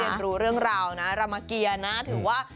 ได้เรียนรู้เรื่องราวนะรมเกียร์นะถือว่า